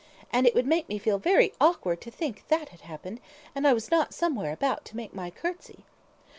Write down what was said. And it would make me feel very awkward to think that that had happened, and I was not somewhere about to make my curtsy."